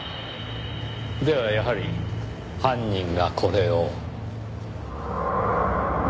ではやはり犯人がこれを。